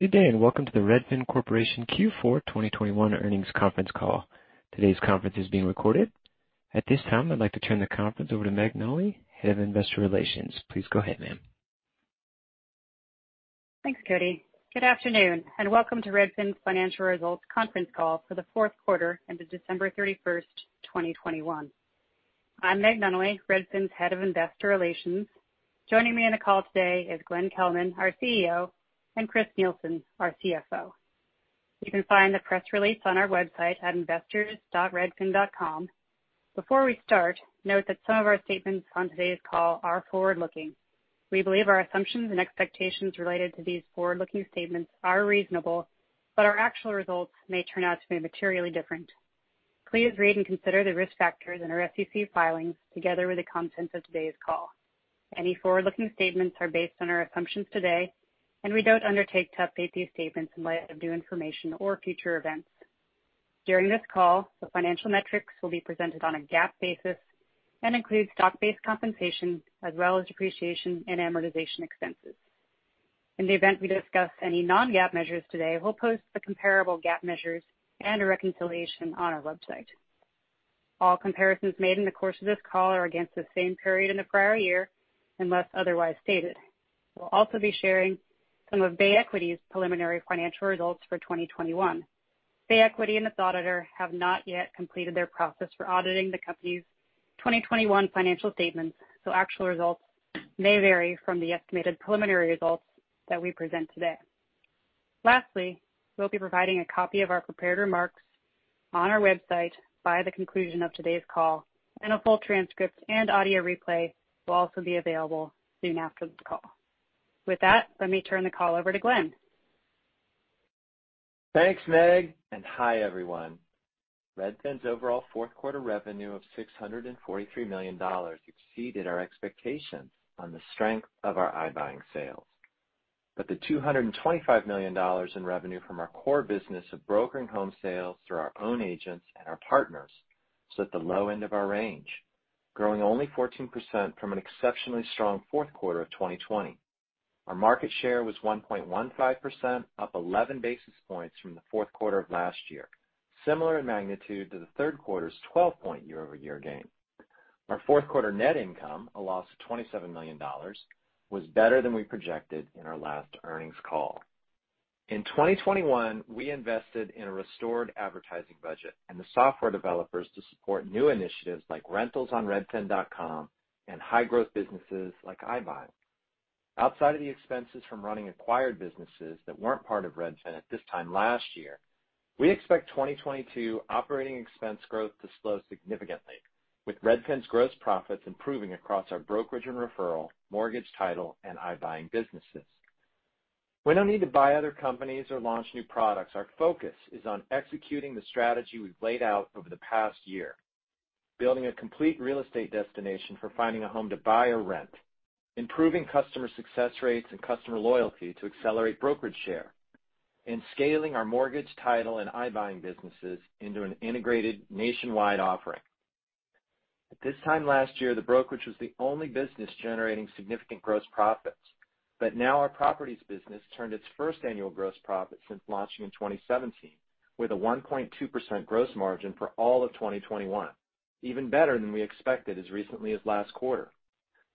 Good day, and welcome to the Redfin Corporation Q4 2021 Earnings Conference Call. Today's conference is being recorded. At this time, I'd like to turn the conference over to Meg Nunnally, Head of Investor Relations. Please go ahead, ma'am. Thanks, Cody. Good afternoon, and welcome to Redfin's Financial Results Conference Call for the fourth quarter ended December 31st, 2021. I'm Meg Nunnally, Redfin's Head of Investor Relations. Joining me on the call today is Glenn Kelman, our CEO, and Chris Nielsen, our CFO. You can find the press release on our website at investors.redfin.com. Before we start, note that some of our statements on today's call are forward-looking. We believe our assumptions and expectations related to these forward-looking statements are reasonable, but our actual results may turn out to be materially different. Please read and consider the risk factors in our SEC filings together with the contents of today's call. Any forward-looking statements are based on our assumptions today, and we don't undertake to update these statements in light of new information or future events. During this call, the financial metrics will be presented on a GAAP basis and include stock-based compensation as well as depreciation and amortization expenses. In the event we discuss any non-GAAP measures today, we'll post the comparable GAAP measures and a reconciliation on our website. All comparisons made in the course of this call are against the same period in the prior year, unless otherwise stated. We'll also be sharing some of Bay Equity's preliminary financial results for 2021. Bay Equity and its auditor have not yet completed their process for auditing the company's 2021 financial statements, so actual results may vary from the estimated preliminary results that we present today. Lastly, we'll be providing a copy of our prepared remarks on our website by the conclusion of today's call, and a full transcript and audio replay will also be available soon after the call. With that, let me turn the call over to Glenn. Thanks, Meg, and hi, everyone. Redfin's overall fourth quarter revenue of $643 million exceeded our expectations on the strength of our iBuying sales. But the $225 million in revenue from our core business of brokering home sales through our own agents and our partners, so at the low end of our range, growing only 14% from an exceptionally strong fourth quarter of 2020. Our market share was 1.15%, up 11 basis points from the fourth quarter of last year, similar in magnitude to the third quarter's 12-point year-over-year gain. Our fourth quarter net income, a loss of $27 million, was better than we projected in our last earnings call. In 2021, we invested in a restored advertising budget and the software developers to support new initiatives like rentals on redfin.com and high-growth businesses like iBuying. Outside of the expenses from running acquired businesses that weren't part of Redfin at this time last year, we expect 2022 operating expense growth to slow significantly, with Redfin's gross profits improving across our brokerage and referral, mortgage title, and iBuying businesses. We don't need to buy other companies or launch new products. Our focus is on executing the strategy we've laid out over the past year, building a complete real estate destination for finding a home to buy or rent, improving customer success rates and customer loyalty to accelerate brokerage share, and scaling our mortgage, title, and iBuying businesses into an integrated nationwide offering. At this time last year, the brokerage was the only business generating significant gross profits, but now our properties business turned its first annual gross profit since launching in 2017, with a 1.2% gross margin for all of 2021, even better than we expected as recently as last quarter.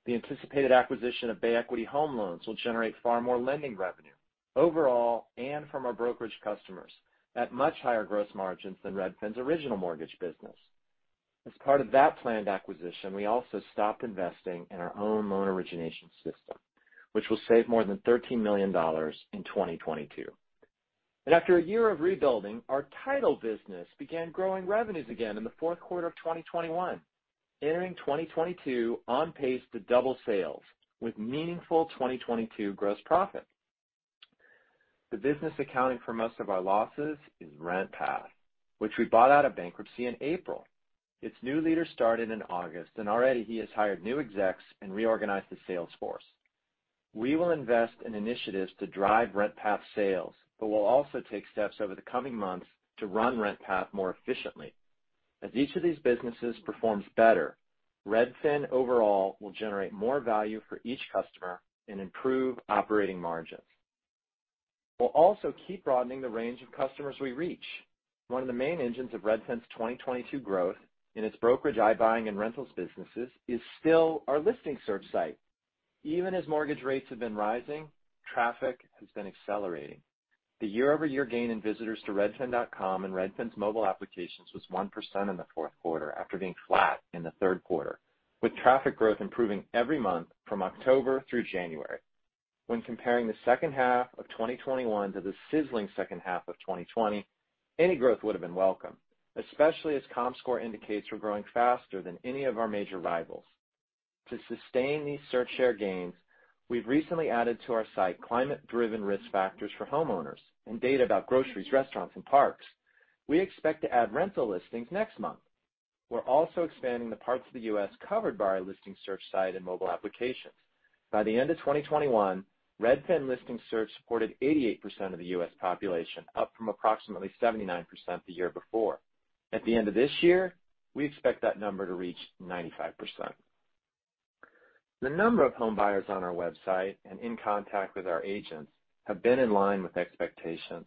The anticipated acquisition of Bay Equity Home Loans will generate far more lending revenue overall and from our brokerage customers at much higher gross margins than Redfin's original mortgage business. As part of that planned acquisition, we also stopped investing in our own loan origination system, which will save more than $13 million in 2022. And after a year of rebuilding, our title business began growing revenues again in the fourth quarter of 2021, entering 2022 on pace to double sales with meaningful 2022 gross profit. The business accounting for most of our losses is RentPath, which we bought out of bankruptcy in April. Its new leader started in August, and already he has hired new execs and reorganized the sales force. We will invest in initiatives to drive RentPath sales, but we'll also take steps over the coming months to run RentPath more efficiently. As each of these businesses performs better, Redfin overall will generate more value for each customer and improve operating margins. We'll also keep broadening the range of customers we reach. One of the main engines of Redfin's 2022 growth in its brokerage, iBuying, and rentals businesses is still our listing search site. Even as mortgage rates have been rising, traffic has been accelerating. The year-over-year gain in visitors to Redfin.com and Redfin's mobile applications was 1% in the fourth quarter, after being flat in the third quarter, with traffic growth improving every month from October through January. When comparing the second half of 2021 to the sizzling second half of 2020, any growth would have been welcome, especially as Comscore indicates we're growing faster than any of our major rivals. To sustain these search share gains, we've recently added to our site climate-driven risk factors for homeowners and data about groceries, restaurants, and parks. We expect to add rental listings next month. We're also expanding the parts of the U.S. covered by our listing search site and mobile applications. By the end of 2021, Redfin listing search supported 88% of the U.S. population, up from approximately 79% the year before. At the end of this year, we expect that number to reach 95%. The number of home buyers on our website and in contact with our agents have been in line with expectations,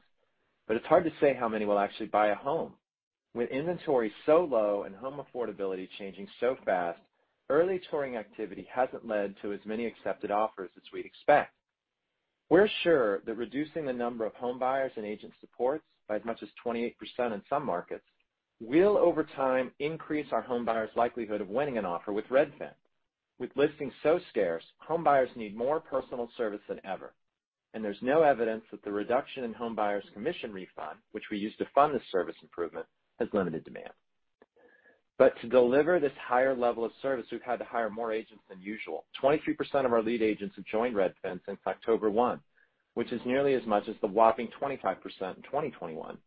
but it's hard to say how many will actually buy a home. With inventory so low and home affordability changing so fast, early touring activity hasn't led to as many accepted offers as we'd expect. We're sure that reducing the number of home buyers and agent supports by as much as 28% in some markets, will, over time, increase our home buyers' likelihood of winning an offer with Redfin. With listings so scarce, home buyers need more personal service than ever, and there's no evidence that the reduction in home buyers' commission refund, which we use to fund this service improvement, has limited demand. But to deliver this higher level of service, we've had to hire more agents than usual. 23% of our lead agents have joined Redfin since October 1, which is nearly as much as the whopping 25% in 2021.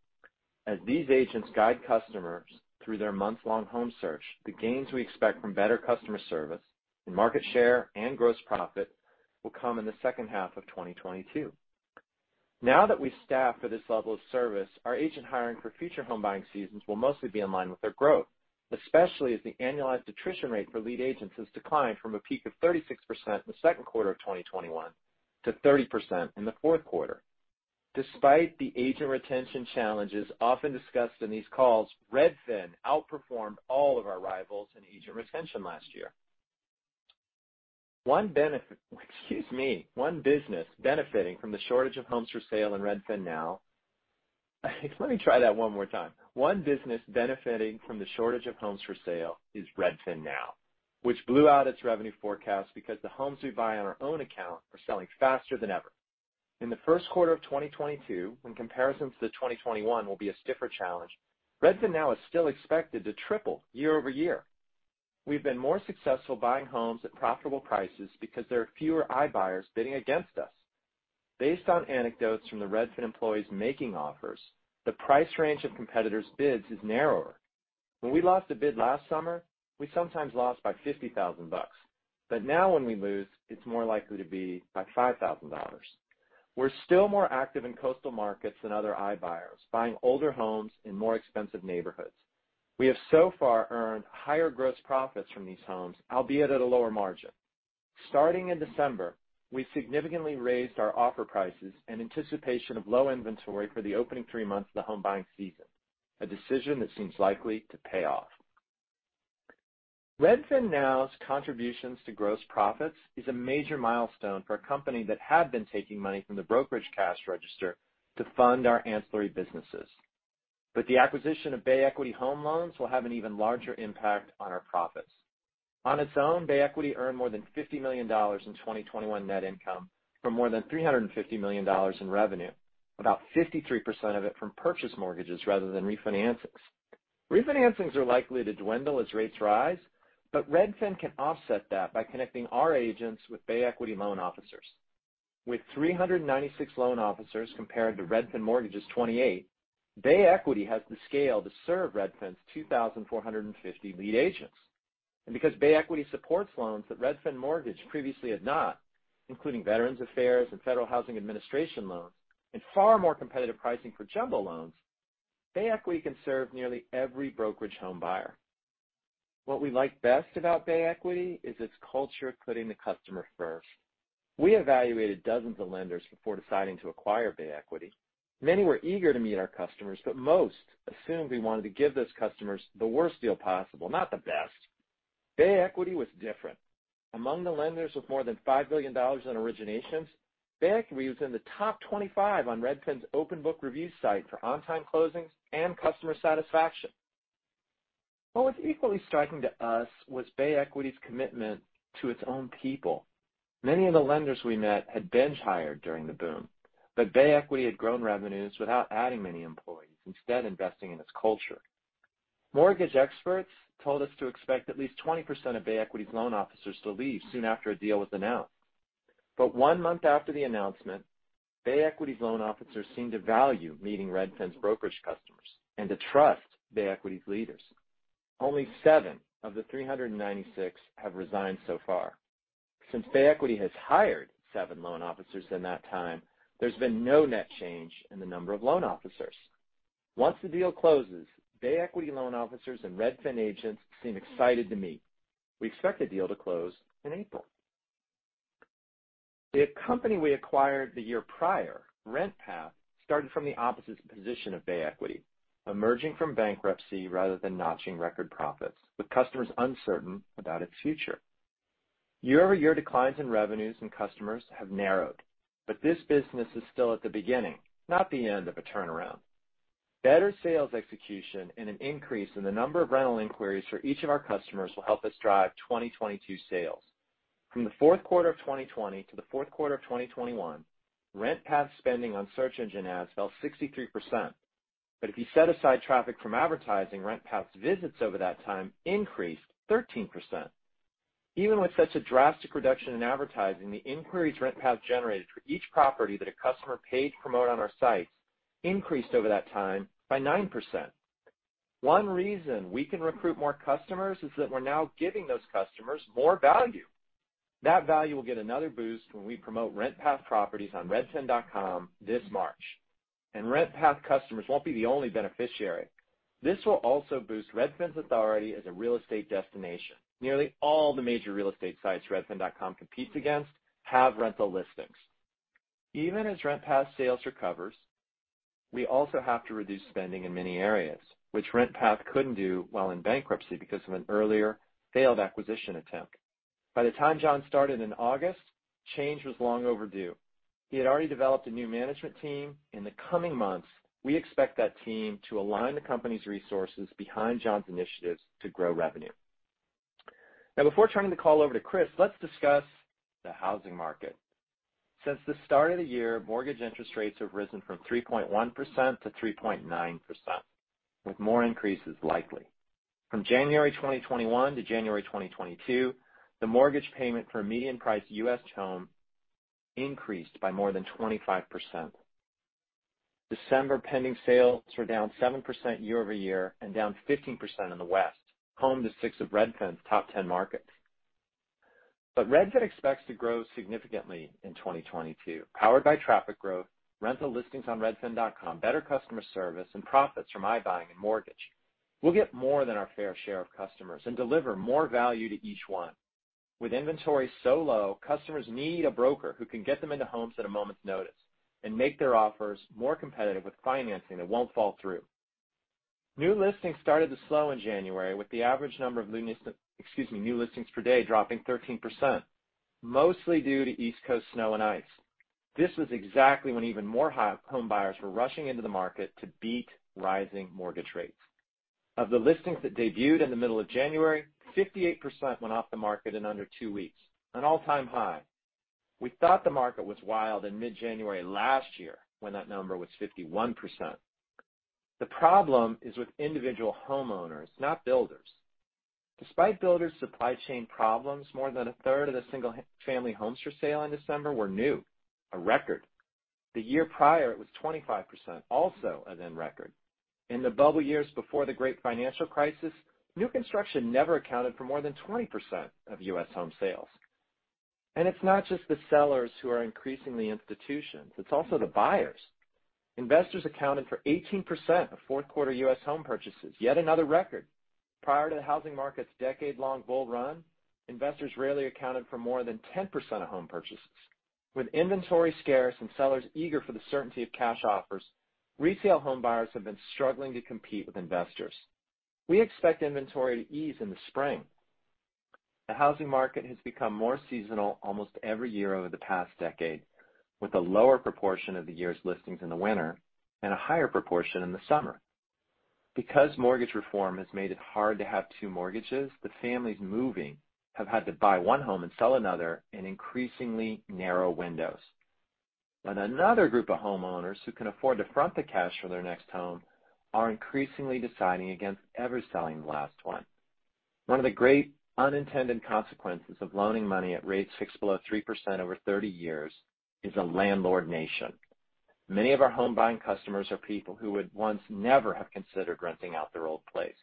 As these agents guide customers through their month-long home search, the gains we expect from better customer service, and market share, and gross profit will come in the H2 of 2022. Now that we've staffed for this level of service, our agent hiring for future home buying seasons will mostly be in line with our growth, especially as the annualized attrition rate for lead agents has declined from a peak of 36% in the second quarter of 2021 to 30% in the fourth quarter. Despite the agent retention challenges often discussed in these calls, Redfin outperformed all of our rivals in agent retention last year. One benefit, excuse me, one business benefiting from the shortage of homes for sale in RedfinNow. Let me try that one more time. One business benefiting from the shortage of homes for sale is RedfinNow, which blew out its revenue forecast because the homes we buy on our own account are selling faster than ever. In the first quarter of 2022, when comparison to the 2021 will be a stiffer challenge, RedfinNow is still expected to triple year-over-year. We've been more successful buying homes at profitable prices because there are fewer iBuyers bidding against us. Based on anecdotes from the Redfin employees making offers, the price range of competitors' bids is narrower. When we lost a bid last summer, we sometimes lost by $50,000, but now when we lose, it's more likely to be by $5,000. We're still more active in coastal markets than other iBuyers, buying older homes in more expensive neighborhoods. We have so far earned higher gross profits from these homes, albeit at a lower margin. Starting in December, we significantly raised our offer prices in anticipation of low inventory for the opening three months of the home buying season, a decision that seems likely to pay off. RedfinNow's contributions to gross profits is a major milestone for a company that had been taking money from the brokerage cash register to fund our ancillary businesses. But the acquisition of Bay Equity Home Loans will have an even larger impact on our profits. On its own, Bay Equity earned more than $50 million in 2021 net income from more than $350 million in revenue, about 53% of it from purchase mortgages rather than refinances. Refinancings are likely to dwindle as rates rise, but Redfin can offset that by connecting our agents with Bay Equity loan officers. With 396 loan officers, compared to Redfin Mortgage's 28, Bay Equity has the scale to serve Redfin's 2,450 lead agents. Because Bay Equity supports loans that Redfin Mortgage previously had not, including Veterans Affairs and Federal Housing Administration Loans, and far more competitive pricing for jumbo loans, Bay Equity can serve nearly every brokerage home buyer. What we like best about Bay Equity is its culture of putting the customer first. We evaluated dozens of lenders before deciding to acquire Bay Equity. Many were eager to meet our customers, but most assumed we wanted to give those customers the worst deal possible, not the best. Bay Equity was different. Among the lenders with more than $5 billion in originations, Bay Equity was in the top 25 on Redfin's open book review site for on-time closings and customer satisfaction. What was equally striking to us was Bay Equity's commitment to its own people. Many of the lenders we met had binge-hired during the boom, but Bay Equity had grown revenues without adding many employees, instead investing in its culture. Mortgage experts told us to expect at least 20% of Bay Equity's loan officers to leave soon after a deal was announced. But one month after the announcement, Bay Equity's loan officers seemed to value meeting Redfin's brokerage customers and to trust Bay Equity's leaders. Only 7 of the 396 have resigned so far. Since Bay Equity has hired 7 loan officers in that time, there's been no net change in the number of loan officers. Once the deal closes, Bay Equity loan officers and Redfin agents seem excited to meet. We expect the deal to close in April. The company we acquired the year prior, RentPath, started from the opposite position of Bay Equity, emerging from bankruptcy rather than notching record profits, with customers uncertain about its future. Year-over-year declines in revenues and customers have narrowed, but this business is still at the beginning, not the end of a turnaround. Better sales execution and an increase in the number of rental inquiries for each of our customers will help us drive 2022 sales. From the fourth quarter of 2020 to the fourth quarter of 2021, RentPath's spending on search engine ads fell 63%. But if you set aside traffic from advertising, RentPath's visits over that time increased 13%. Even with such a drastic reduction in advertising, the inquiries RentPath generated for each property that a customer paid to promote on our site increased over that time by 9%. One reason we can recruit more customers is that we're now giving those customers more value. That value will get another boost when we promote RentPath properties on Redfin.com this March... and RentPath customers won't be the only beneficiary. This will also boost Redfin's authority as a real estate destination. Nearly all the major real estate sites Redfin.com competes against have rental listings. Even as RentPath sales recovers, we also have to reduce spending in many areas, which RentPath couldn't do while in bankruptcy because of an earlier failed acquisition attempt. By the time Jon started in August, change was long overdue. He had already developed a new management team. In the coming months, we expect that team to align the company's resources behind Jon's initiatives to grow revenue. Now, before turning the call over to Chris, let's discuss the housing market. Since the start of the year, mortgage interest rates have risen from 3.1%-3.9%, with more increases likely. From January 2021-January 2022, the mortgage payment for a median-priced U.S. home increased by more than 25%. December pending sales were down 7% year-over-year and down 15% in the West, home to 6 of Redfin's top 10 markets. But Redfin expects to grow significantly in 2022, powered by traffic growth, rental listings on redfin.com, better customer service, and profits from iBuying and mortgage. We'll get more than our fair share of customers and deliver more value to each one. With inventory so low, customers need a broker who can get them into homes at a moment's notice and make their offers more competitive with financing that won't fall through. New listings started to slow in January, with the average number of new listings per day, excuse me, dropping 13%, mostly due to East Coast snow and ice. This was exactly when even more home buyers were rushing into the market to beat rising mortgage rates. Of the listings that debuted in the middle of January, 58% went off the market in under two weeks, an all-time high. We thought the market was wild in mid-January last year, when that number was 51%. The problem is with individual homeowners, not builders. Despite builders' supply chain problems, more than a third of the single-family homes for sale in December were new, a record. The year prior, it was 25%, also a then record. In the bubble years before the great financial crisis, new construction never accounted for more than 20% of U.S. home sales. It's not just the sellers who are increasingly institutions, it's also the buyers. Investors accounted for 18% of fourth quarter U.S. home purchases, yet another record. Prior to the housing market's decade-long bull run, investors rarely accounted for more than 10% of home purchases. With inventory scarce and sellers eager for the certainty of cash offers, retail home buyers have been struggling to compete with investors. We expect inventory to ease in the spring. The housing market has become more seasonal almost every year over the past decade, with a lower proportion of the year's listings in the winter and a higher proportion in the summer. Because mortgage reform has made it hard to have two mortgages, the families moving have had to buy one home and sell another in increasingly narrow windows. But another group of homeowners who can afford to front the cash for their next home are increasingly deciding against ever selling the last one. One of the great unintended consequences of loaning money at rates fixed below three percent over thirty years is a landlord nation. Many of our home buying customers are people who would once never have considered renting out their old place,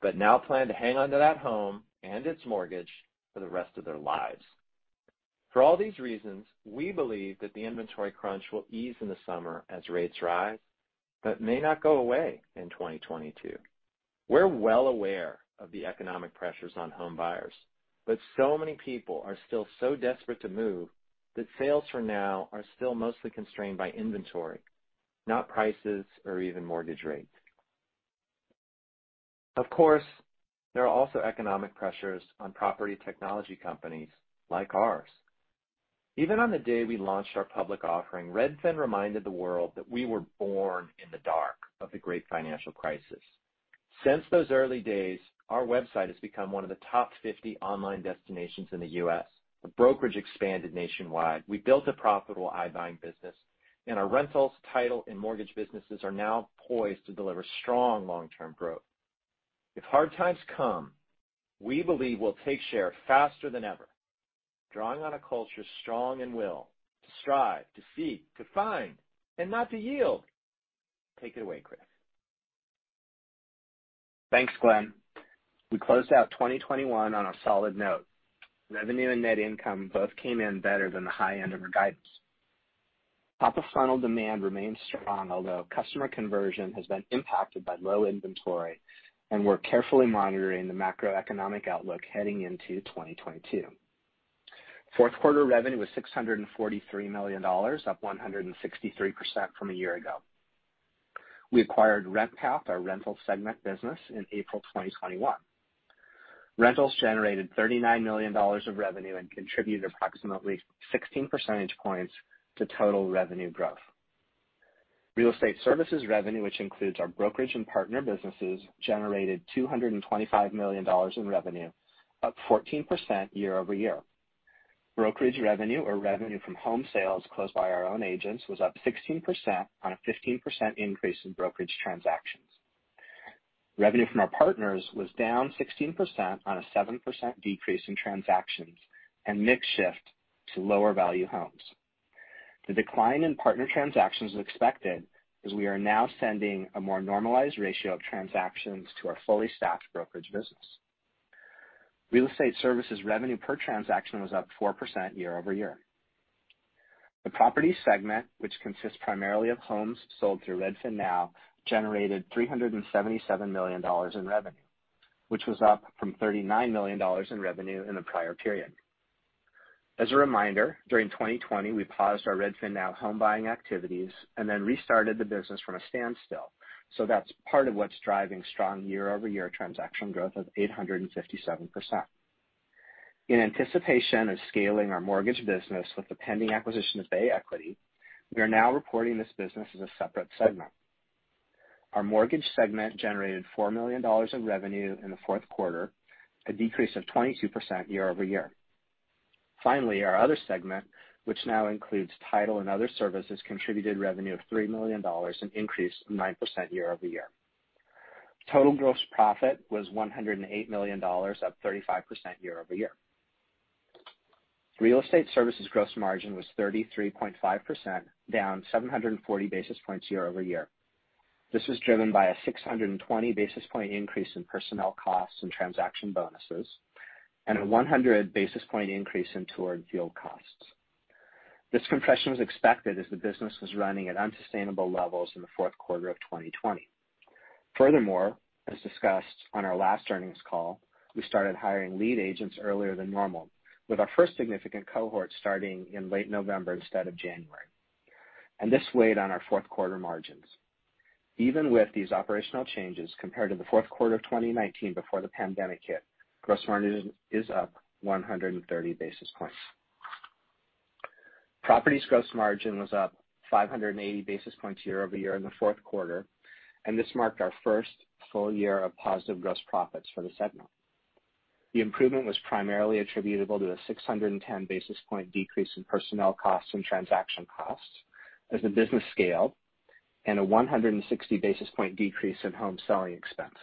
but now plan to hang on to that home and its mortgage for the rest of their lives. For all these reasons, we believe that the inventory crunch will ease in the summer as rates rise, but may not go away in 2022. We're well aware of the economic pressures on home buyers, but so many people are still so desperate to move, that sales for now are still mostly constrained by inventory, not prices or even mortgage rates. Of course, there are also economic pressures on property technology companies like ours. Even on the day we launched our public offering, Redfin reminded the world that we were born in the dark of the great financial crisis. Since those early days, our website has become one of the top 50 online destinations in the U.S. The brokerage expanded nationwide. We built a profitable iBuying business, and our rentals, title, and mortgage businesses are now poised to deliver strong long-term growth. If hard times come, we believe we'll take share faster than ever, drawing on a culture strong in will, to strive, to seek, to find, and not to yield. Take it away, Chris. Thanks, Glenn. We closed out 2021 on a solid note. Revenue and net income both came in better than the high end of our guidance. Top-of-funnel demand remains strong, although customer conversion has been impacted by low inventory, and we're carefully monitoring the macroeconomic outlook heading into 2022. Fourth quarter revenue was $643 million, up 163% from a year ago. We acquired RentPath, our rental segment business, in April 2021. Rentals generated $39 million of revenue and contributed approximately 16 percentage points to total revenue growth. Real estate services revenue, which includes our brokerage and partner businesses, generated $225 million in revenue, up 14% year-over-year. Brokerage revenue or revenue from home sales closed by our own agents, was up 16% on a 15% increase in brokerage transactions. Revenue from our partners was down 16% on a 7% decrease in transactions and mix shift to lower-value homes. The decline in partner transactions is expected, as we are now sending a more normalized ratio of transactions to our fully staffed brokerage business. Real estate services revenue per transaction was up 4% year over year. The property segment, which consists primarily of homes sold through RedfinNow, generated $377 million in revenue, which was up from $39 million in revenue in the prior period. As a reminder, during 2020, we paused our RedfinNow home buying activities and then restarted the business from a standstill, so that's part of what's driving strong year-over-year transaction growth of 857%. In anticipation of scaling our mortgage business with the pending acquisition of Bay Equity, we are now reporting this business as a separate segment. Our mortgage segment generated $4 million of revenue in the fourth quarter, a decrease of 22% year over year. Finally, our other segment, which now includes title and other services, contributed revenue of $3 million, an increase of 9% year over year. Total gross profit was $108 million, up 35% year over year. Real estate services gross margin was 33.5%, down 740 basis points year over year. This was driven by a 620 basis point increase in personnel costs and transaction bonuses, and a 100 basis point increase in tour and field costs. This compression was expected as the business was running at unsustainable levels in the fourth quarter of 2020. Furthermore, as discussed on our last earnings call, we started hiring lead agents earlier than normal, with our first significant cohort starting in late November instead of January, and this weighed on our fourth quarter margins. Even with these operational changes, compared to the fourth quarter of 2019 before the pandemic hit, gross margin is up 130 basis points. Properties gross margin was up 580 basis points year-over-year in the fourth quarter, and this marked our first full year of positive gross profits for the segment. The improvement was primarily attributable to the 610 basis point decrease in personnel costs and transaction costs as the business scaled, and a 160 basis point decrease in home selling expense.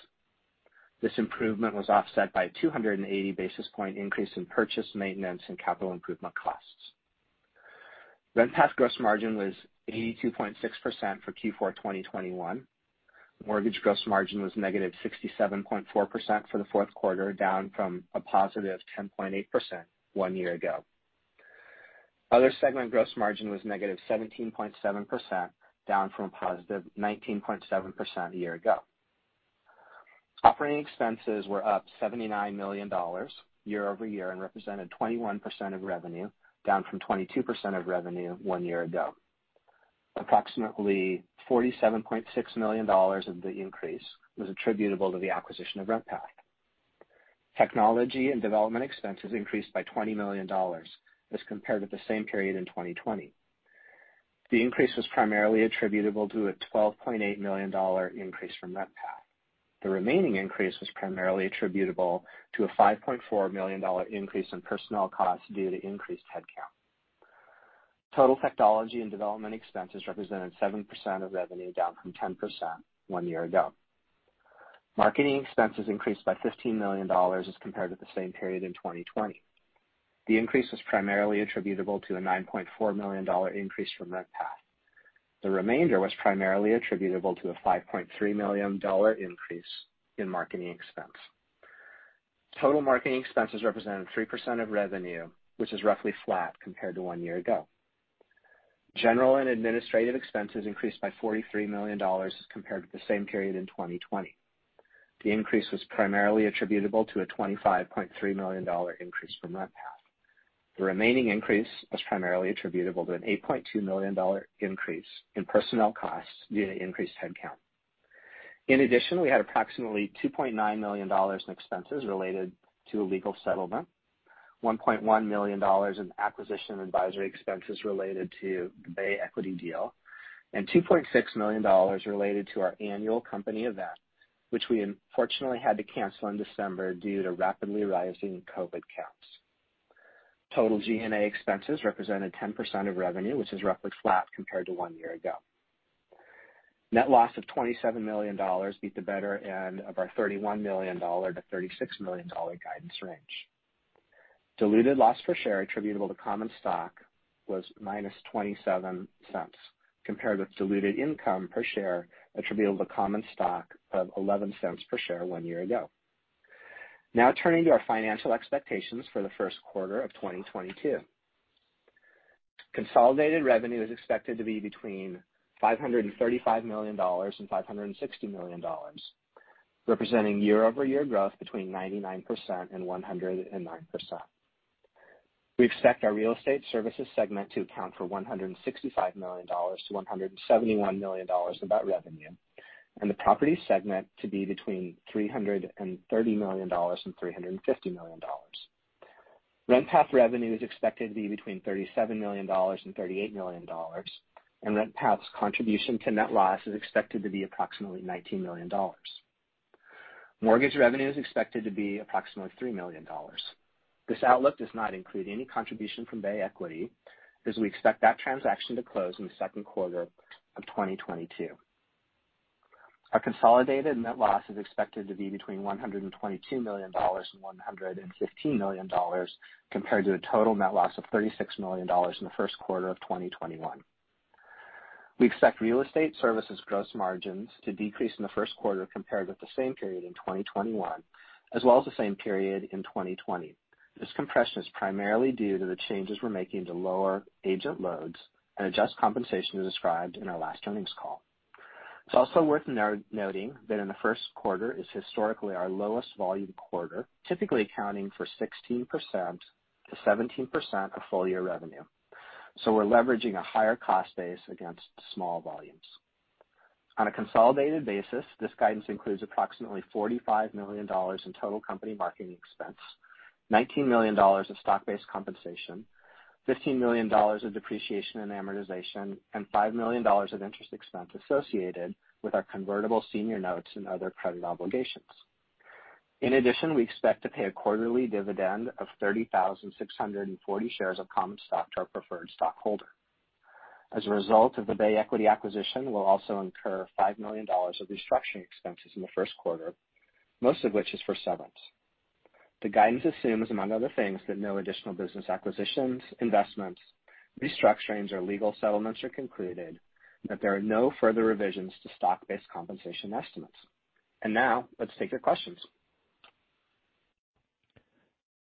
This improvement was offset by a 280 basis point increase in purchase, maintenance, and capital improvement costs. RentPath gross margin was 82.6% for Q4 2021. Mortgage gross margin was -67.4% for the fourth quarter, down from a +10.8% one year ago. Other segment gross margin was -17.7%, down from a +19.7% a year ago. Operating expenses were up $79 million year-over-year and represented 21% of revenue, down from 22% of revenue one year ago. Approximately $47.6 million of the increase was attributable to the acquisition of RentPath. Technology and development expenses increased by $20 million as compared to the same period in 2020. The increase was primarily attributable to a $12.8 million increase from RentPath. The remaining increase was primarily attributable to a $5.4 million increase in personnel costs due to increased headcount. Total technology and development expenses represented 7% of revenue, down from 10% one year ago. Marketing expenses increased by $15 million as compared to the same period in 2020. The increase was primarily attributable to a $9.4 million increase from RentPath. The remainder was primarily attributable to a $5.3 million increase in marketing expense. Total marketing expenses represented 3% of revenue, which is roughly flat compared to one year ago. General and administrative expenses increased by $43 million as compared to the same period in 2020. The increase was primarily attributable to a $25.3 million increase from RentPath. The remaining increase was primarily attributable to an $8.2 million increase in personnel costs due to increased headcount. In addition, we had approximately $2.9 million in expenses related to a legal settlement, $1.1 million in acquisition advisory expenses related to the Bay Equity deal, and $2.6 million related to our annual company event, which we unfortunately had to cancel in December due to rapidly rising COVID counts. Total G&A expenses represented 10% of revenue, which is roughly flat compared to one year ago. Net loss of $27 million beat the better end of our $31 million-$36 million guidance range. Diluted loss per share attributable to common stock was -$0.27, compared with diluted income per share attributable to common stock of $0.11 per share one year ago. Now turning to our financial expectations for the first quarter of 2022. Consolidated revenue is expected to be between $535 million and $560 million, representing year-over-year growth between 99% and 109%. We expect our real estate services segment to account for $165 million-$171 million of that revenue, and the property segment to be between $330 million and $350 million. RentPath revenue is expected to be between $37 million and $38 million, and RentPath's contribution to net loss is expected to be approximately $19 million. Mortgage revenue is expected to be approximately $3 million. This outlook does not include any contribution from Bay Equity, as we expect that transaction to close in the second quarter of 2022. Our consolidated net loss is expected to be between $122 million and $115 million, compared to a total net loss of $36 million in the first quarter of 2021. We expect real estate services gross margins to decrease in the first quarter compared with the same period in 2021, as well as the same period in 2020. This compression is primarily due to the changes we're making to lower agent loads and adjust compensation, as described in our last earnings call. It's also worth noting that the first quarter is historically our lowest volume quarter, typically accounting for 16%-17% of full year revenue. So we're leveraging a higher cost base against small volumes. On a consolidated basis, this guidance includes approximately $45 million in total company marketing expense, $19 million in stock-based compensation, $15 million in depreciation and amortization, and $5 million of interest expense associated with our convertible senior notes and other credit obligations. In addition, we expect to pay a quarterly dividend of 30,600 shares of common stock to our preferred stockholder. As a result of the Bay Equity acquisition, we'll also incur $5 million of restructuring expenses in the first quarter, most of which is for severance. The guidance assumes, among other things, that no additional business acquisitions, investments, restructurings, or legal settlements are concluded, and that there are no further revisions to stock-based compensation estimates. And now, let's take your questions.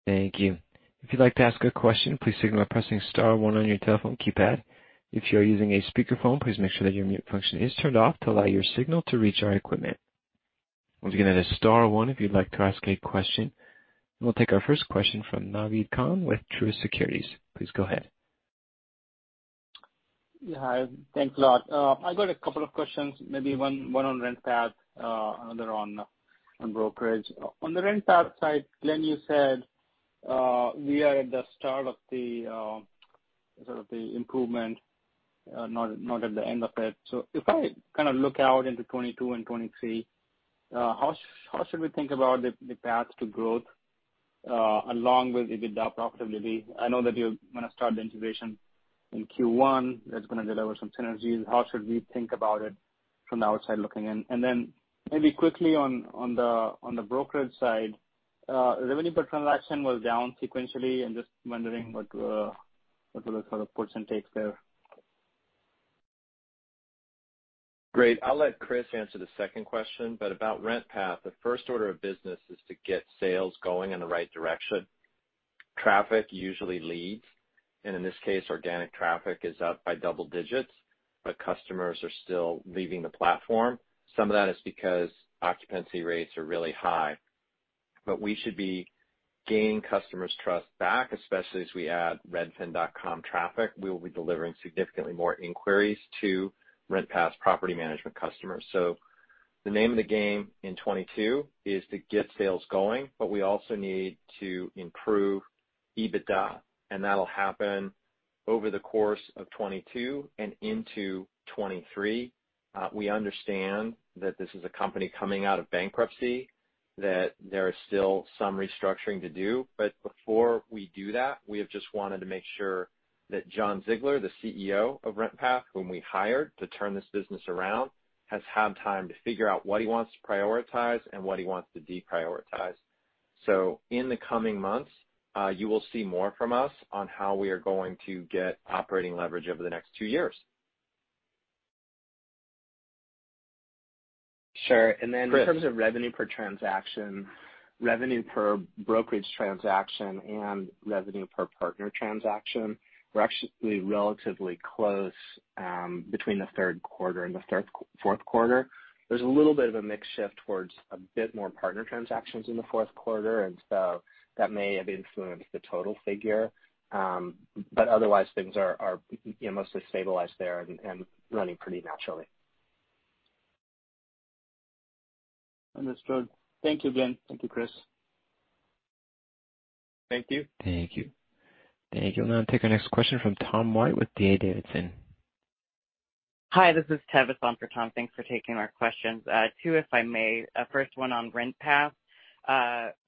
Thank you. If you'd like to ask a question, please signal by pressing star one on your telephone keypad. If you're using a speakerphone, please make sure that your mute function is turned off to allow your signal to reach our equipment. Once again, that is star one if you'd like to ask a question. We'll take our first question from Naved Khan with Truist Securities. Please go ahead. Yeah, hi. Thanks a lot. I've got a couple of questions, maybe one on RentPath, another on brokerage. On the RentPath side, Glenn, you said we are at the start of the sort of the improvement, not at the end of it. So if I kind of look out into 2022 and 2023, how should we think about the path to growth along with EBITDA profitability? I know that you're gonna start the integration in Q1. That's gonna deliver some synergies. How should we think about it from the outside looking in? And then maybe quickly on the brokerage side, revenue per transaction was down sequentially. I'm just wondering what are the sort of puts and takes there? Great. I'll let Chris answer the second question, but about RentPath, the first order of business is to get sales going in the right direction. Traffic usually leads, and in this case, organic traffic is up by double digits, but customers are still leaving the platform. Some of that is because occupancy rates are really high. But we should be gaining customers' trust back, especially as we add Redfin.com traffic. We will be delivering significantly more inquiries to RentPath's property management customers. So the name of the game in 2022 is to get sales going, but we also need to improve EBITDA, and that'll happen over the course of 2022 and into 2023. We understand that this is a company coming out of bankruptcy, that there is still some restructuring to do. But before we do that, we have just wanted to make sure that Jon Ziglar, the CEO of RentPath, whom we hired to turn this business around, has had time to figure out what he wants to prioritize and what he wants to deprioritize. So in the coming months, you will see more from us on how we are going to get operating leverage over the next two years. Sure. Chris. Then in terms of revenue per transaction, revenue per brokerage transaction, and revenue per partner transaction, we're actually relatively close between the third quarter and the fourth quarter. There's a little bit of a mix shift towards a bit more partner transactions in the fourth quarter, and so that may have influenced the total figure. But otherwise, things are, you know, mostly stabilized there and running pretty naturally. Understood. Thank you, Glenn. Thank you, Chris. Thank you. Thank you. Thank you. We'll now take our next question from Tom White with D.A. Davidson. Hi, this is Tevis on for Tom. Thanks for taking our questions. Two, if I may. First one on RentPath.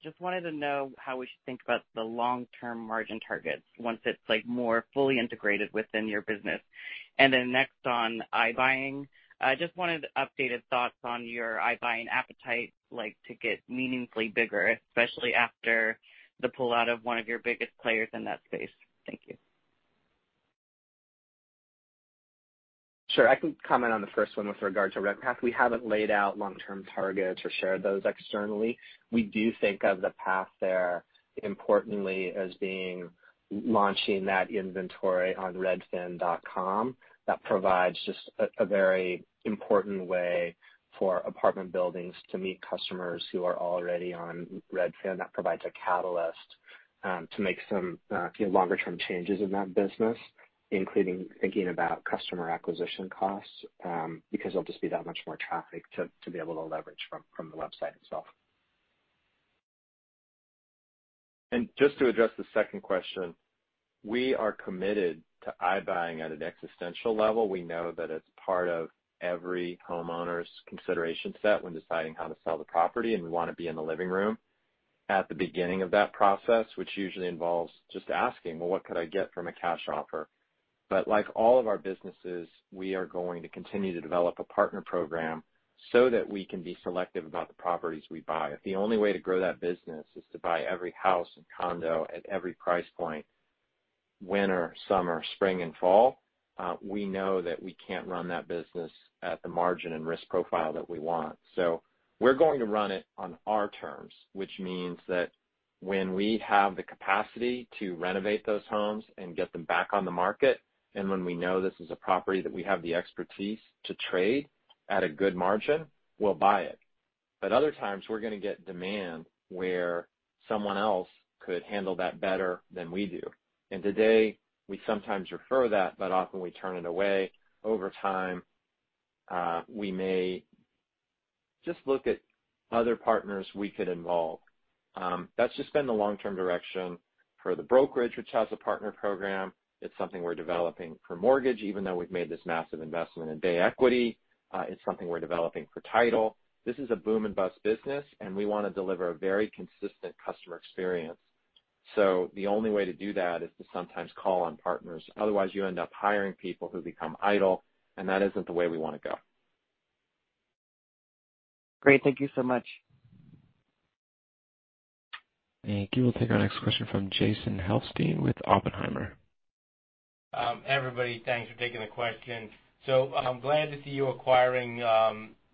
Just wanted to know how we should think about the long-term margin targets once it's, like, more fully integrated within your business. And then next on iBuying, I just wanted updated thoughts on your iBuying appetite, like, to get meaningfully bigger, especially after the pullout of one of your biggest players in that space. Thank you. Sure. I can comment on the first one with regard to RentPath. We haven't laid out long-term targets or shared those externally. We do think of the path there, importantly, as being launching that inventory on Redfin.com. That provides just a very important way for apartment buildings to meet customers who are already on Redfin. That provides a catalyst, to make some, you know, longer term changes in that business, including thinking about customer acquisition costs, because there'll be that much more traffic to be able to leverage from the website itself. Just to address the second question, we are committed to iBuying at an existential level. We know that it's part of every homeowner's consideration set when deciding how to sell the property, and we want to be in the living room at the beginning of that process, which usually involves just asking: "Well, what could I get from a cash offer?" But like all of our businesses, we are going to continue to develop a partner program... so that we can be selective about the properties we buy. If the only way to grow that business is to buy every house and condo at every price point, winter, summer, spring, and fall, we know that we can't run that business at the margin and risk profile that we want. So we're going to run it on our terms, which means that when we have the capacity to renovate those homes and get them back on the market, and when we know this is a property that we have the expertise to trade at a good margin, we'll buy it. But other times, we're going to get demand where someone else could handle that better than we do. And today, we sometimes refer that, but often we turn it away. Over time, we may just look at other partners we could involve. That's just been the long-term direction for the brokerage, which has a partner program. It's something we're developing for mortgage, even though we've made this massive investment in Bay Equity. It's something we're developing for title. This is a boom-and-bust business, and we want to deliver a very consistent customer experience. The only way to do that is to sometimes call on partners. Otherwise, you end up hiring people who become idle, and that isn't the way we want to go. Great. Thank you so much. Thank you. We'll take our next question from Jason Helfstein with Oppenheimer. Everybody, thanks for taking the question. So I'm glad to see you acquiring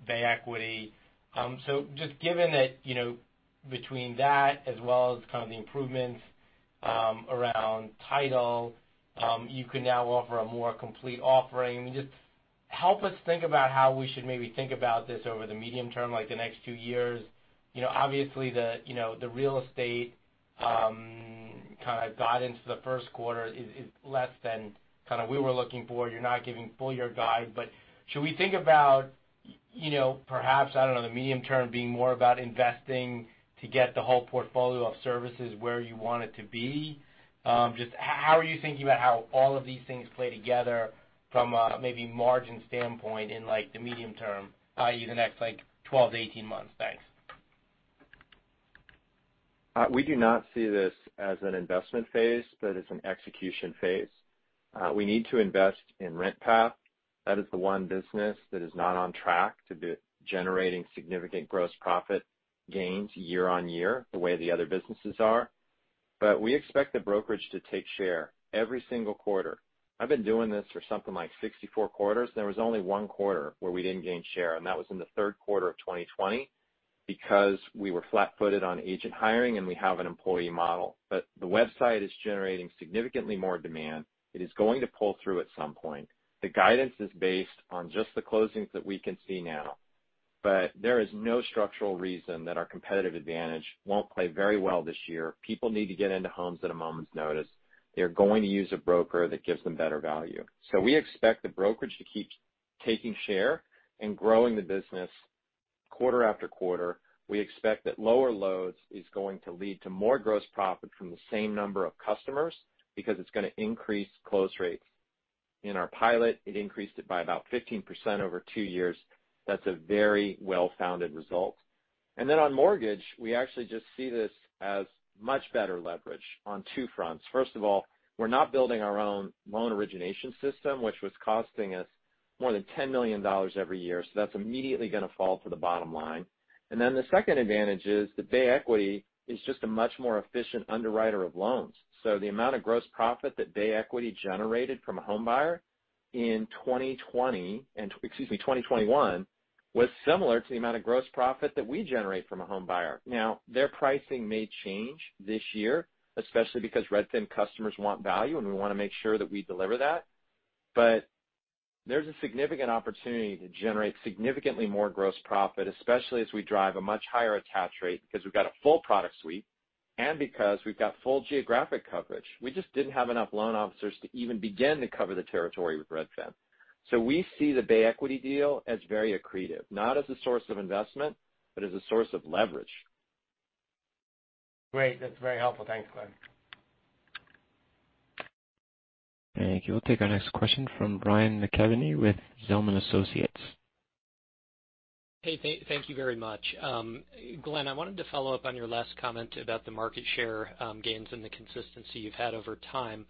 Bay Equity. So just given that, you know, between that, as well as kind of the improvements around title, you can now offer a more complete offering. Just help us think about how we should maybe think about this over the medium term, like the next two years. You know, obviously, the real estate kind of guidance for the first quarter is less than kind of we were looking for. You're not giving full year guide, but should we think about, you know, perhaps, I don't know, the medium term being more about investing to get the whole portfolio of services where you want it to be? Just how are you thinking about how all of these things play together from a maybe margin standpoint in, like, the next, like, 12-18 months? Thanks. We do not see this as an investment phase, but as an execution phase. We need to invest in RentPath. That is the one business that is not on track to be generating significant gross profit gains year on year, the way the other businesses are. But we expect the brokerage to take share every single quarter. I've been doing this for something like 64 quarters. There was only one quarter where we didn't gain share, and that was in the third quarter of 2020, because we were flat-footed on agent hiring, and we have an employee model. But the website is generating significantly more demand. It is going to pull through at some point. The guidance is based on just the closings that we can see now, but there is no structural reason that our competitive advantage won't play very well this year. People need to get into homes at a moment's notice. They're going to use a broker that gives them better value. So we expect the brokerage to keep taking share and growing the business quarter after quarter. We expect that lower loads is going to lead to more gross profit from the same number of customers because it's going to increase close rates. In our pilot, it increased it by about 15% over 2 years. That's a very well-founded result. And then on mortgage, we actually just see this as much better leverage on two fronts. First of all, we're not building our own loan origination system, which was costing us more than $10 million every year, so that's immediately going to fall to the bottom line. And then the second advantage is that Bay Equity is just a much more efficient underwriter of loans. So the amount of gross profit that Bay Equity generated from a homebuyer in 2020—excuse me, 2021—was similar to the amount of gross profit that we generate from a homebuyer. Now, their pricing may change this year, especially because Redfin customers want value, and we want to make sure that we deliver that. But there's a significant opportunity to generate significantly more gross profit, especially as we drive a much higher attach rate because we've got a full product suite and because we've got full geographic coverage. We just didn't have enough loan officers to even begin to cover the territory with Redfin. So we see the Bay Equity deal as very accretive, not as a source of investment, but as a source of leverage. Great. That's very helpful. Thanks, Glenn. Thank you. We'll take our next question from Ryan McKeveny with Zelman Associates. Hey, thank you very much. Glenn, I wanted to follow up on your last comment about the market share, gains and the consistency you've had over time.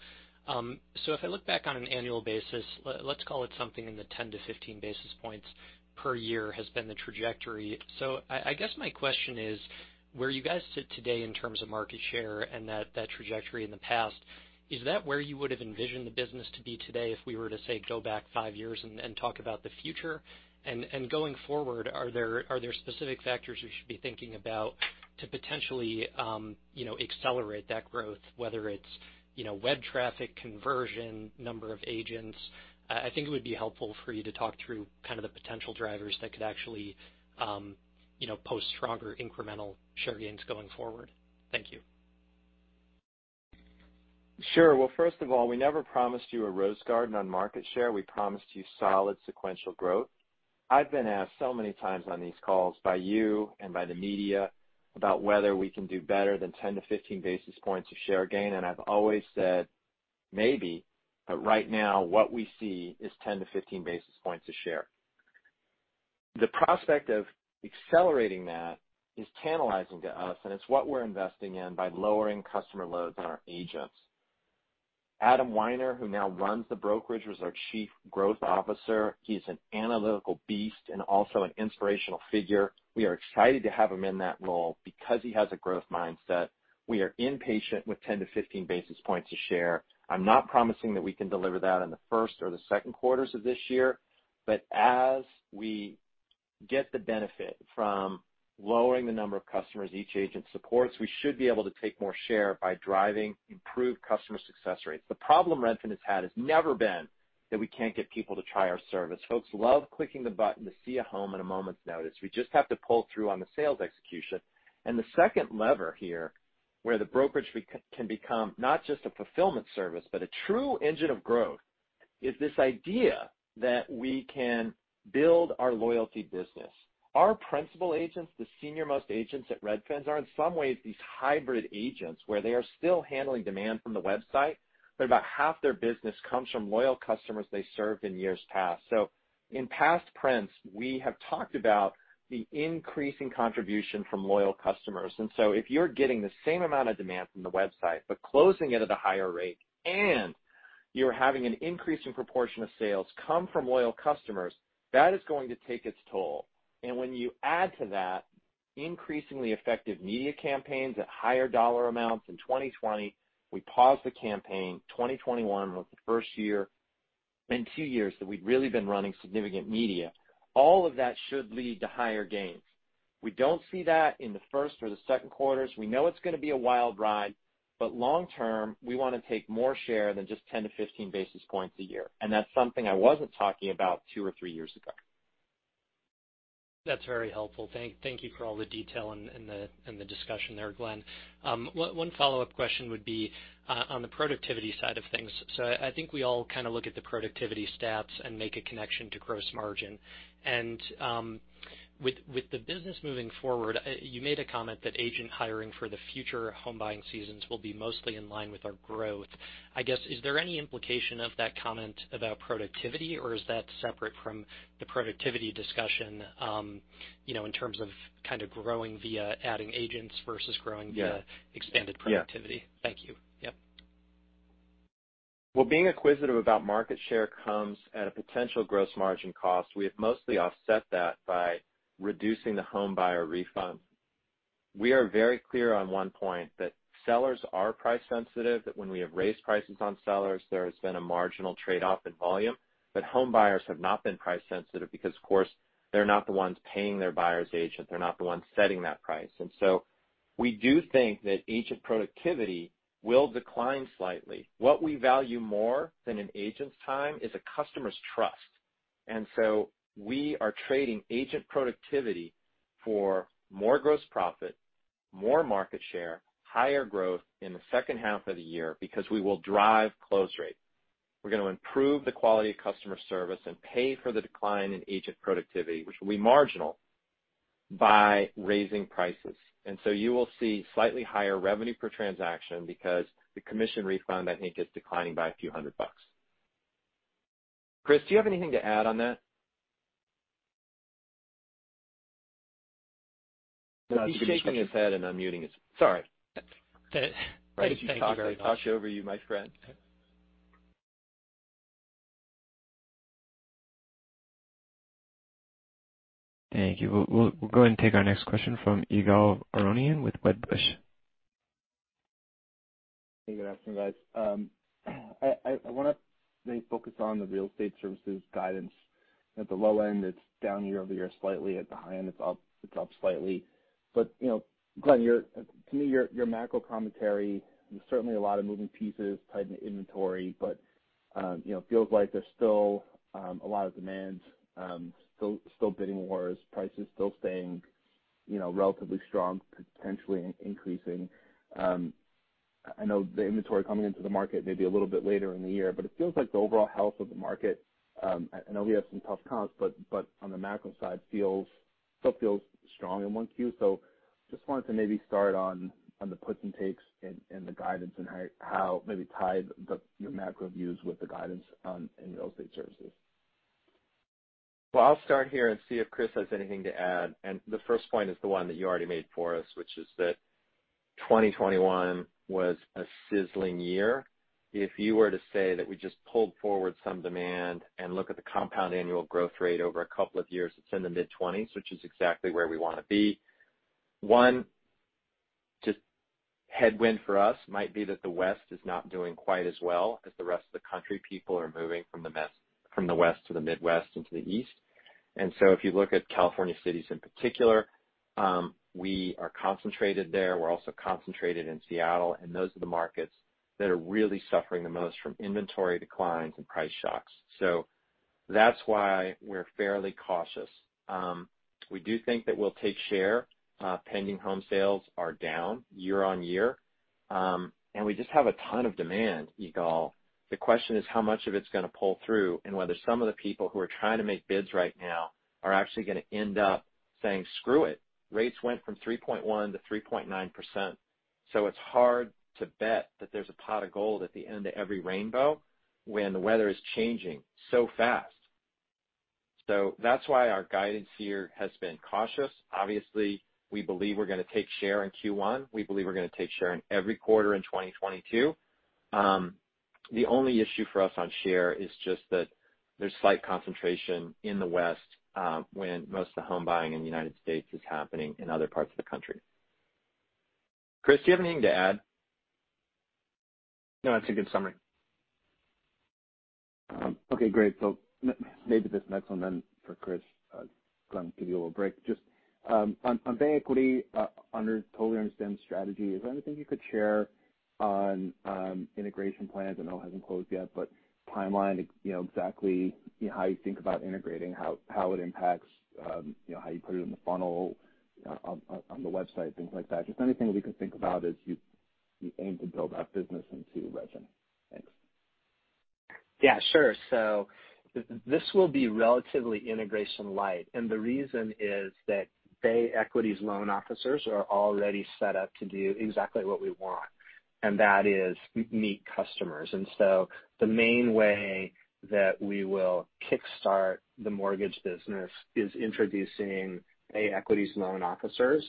So if I look back on an annual basis, let's call it something in the 10-15 basis points per year has been the trajectory. So I guess, my question is, where you guys sit today in terms of market share and that trajectory in the past, is that where you would have envisioned the business to be today if we were to, say, go back five years and talk about the future? Going forward, are there specific factors we should be thinking about to potentially, you know, accelerate that growth, whether it's, you know, web traffic, conversion, number of agents? I think it would be helpful for you to talk through kind of the potential drivers that could actually, you know, post stronger incremental share gains going forward. Thank you. Sure. Well, first of all, we never promised you a rose garden on market share. We promised you solid sequential growth. I've been asked so many times on these calls by you and by the media about whether we can do better than 10-15 basis points of share gain, and I've always said, "Maybe," but right now, what we see is 10-15 basis points of share. The prospect of accelerating that is tantalizing to us, and it's what we're investing in by lowering customer loads on our agents. Adam Wiener, who now runs the brokerage, was our Chief Growth Officer. He's an analytical beast and also an inspirational figure. We are excited to have him in that role because he has a growth mindset. We are impatient with 10-15 basis points of share. I'm not promising that we can deliver that in the first or the second quarters of this year, but as we get the benefit from lowering the number of customers each agent supports, we should be able to take more share by driving improved customer success rates. The problem Redfin has had has never been that we can't get people to try our service. Folks love clicking the button to see a home in a moment's notice. We just have to pull through on the sales execution. And the second lever here, where the brokerage can become not just a fulfillment service, but a true engine of growth, is this idea that we can build our loyalty business. Our principal agents, the senior-most agents at Redfin, are in some ways these hybrid agents, where they are still handling demand from the website, but about half their business comes from loyal customers they served in years past. So in past prints, we have talked about the increasing contribution from loyal customers. And so if you're getting the same amount of demand from the website, but closing it at a higher rate, and you're having an increase in proportion of sales come from loyal customers, that is going to take its toll. And when you add to that, increasingly effective media campaigns at higher dollar amounts. In 2020, we paused the campaign. 2021 was the first year in two years that we'd really been running significant media. All of that should lead to higher gains. We don't see that in the first or the second quarters. We know it's going to be a wild ride, but long term, we want to take more share than just 10-15 basis points a year, and that's something I wasn't talking about 2 or 3 years ago. That's very helpful. Thank you for all the detail and the discussion there, Glenn. One follow-up question would be on the productivity side of things. So I think we all kind of look at the productivity stats and make a connection to gross margin. And with the business moving forward, you made a comment that agent hiring for the future home buying seasons will be mostly in line with our growth. I guess, is there any implication of that comment about productivity, or is that separate from the productivity discussion, you know, in terms of kind of growing via adding agents versus growing Yeah. via expanded productivity? Yeah. Thank you. Yep. Well, being acquisitive about market share comes at a potential gross margin cost. We have mostly offset that by reducing the home buyer refund. We are very clear on one point, that sellers are price sensitive, that when we have raised prices on sellers, there has been a marginal trade-off in volume. But home buyers have not been price sensitive because, of course, they're not the ones paying their buyer's agent. They're not the ones setting that price. And so we do think that agent productivity will decline slightly. What we value more than an agent's time is a customer's trust, and so we are trading agent productivity for more gross profit, more market share, higher growth in the second half of the year, because we will drive close rate. We're going to improve the quality of customer service and pay for the decline in agent productivity, which will be marginal, by raising prices. And so you will see slightly higher revenue per transaction because the commission refund, I think, is declining by a few hundred bucks. Chris, do you have anything to add on that? He's shaking- He's shaking his head, and unmuting is... Sorry. Thank you very much. I talked over you, my friend. Thank you. We'll, we'll go ahead and take our next question from Yigal Arounian with Wedbush. Hey, good afternoon, guys. I want to maybe focus on the real estate services guidance. At the low end, it's down year over year slightly. At the high end, it's up, it's up slightly. But, you know, Glenn, your. To me, your, your macro commentary, there's certainly a lot of moving pieces, tight in the inventory, but, you know, feels like there's still a lot of demand, still bidding wars, prices still staying, you know, relatively strong, potentially increasing. I know the inventory coming into the market may be a little bit later in the year, but it feels like the overall health of the market, I know we have some tough comps, but, but on the macro side, feels- still feels strong in 1Q. So just wanted to maybe start on the puts and takes and the guidance and how maybe tie your macro views with the guidance in real estate services. Well, I'll start here and see if Chris has anything to add. The first point is the one that you already made for us, which is that 2021 was a sizzling year. If you were to say that we just pulled forward some demand and look at the compound annual growth rate over a couple of years, it's in the mid-20s, which is exactly where we want to be. One just headwind for us might be that the West is not doing quite as well as the rest of the country. People are moving from the West, from the West to the Midwest and to the East. And so if you look at California cities in particular, we are concentrated there. We're also concentrated in Seattle, and those are the markets that are really suffering the most from inventory declines and price shocks. So that's why we're fairly cautious. We do think that we'll take share. Pending home sales are down year-on-year, and we just have a ton of demand, Yigal. The question is how much of it's going to pull through, and whether some of the people who are trying to make bids right now are actually going to end up saying, "Screw it." Rates went from 3.1%-3.9%, so it's hard to bet that there's a pot of gold at the end of every rainbow when the weather is changing so fast. So that's why our guidance here has been cautious. Obviously, we believe we're gonna take share in Q1. We believe we're gonna take share in every quarter in 2022. The only issue for us on share is just that there's slight concentration in the West, when most of the home buying in the United States is happening in other parts of the country. Chris, do you have anything to add? No, that's a good summary. Okay, great. So maybe this next one then for Chris, going to give you a little break. Just on Bay Equity, I totally understand the strategy. Is there anything you could share on integration plans? I know it hasn't closed yet, but timeline, you know, exactly how you think about integrating, how it impacts, you know, how you put it in the funnel on the website, things like that. Just anything we could think about as you aim to build that business into Redfin. Thanks. Yeah, sure. So this will be relatively integration light, and the reason is that Bay Equity's loan officers are already set up to do exactly what we want, and that is meet customers. And so the main way that we will kickstart the mortgage business is introducing Bay Equity's loan officers